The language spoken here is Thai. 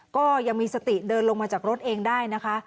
ก็ยังมีสติเดินลงมาจากรถเองได้นะคะ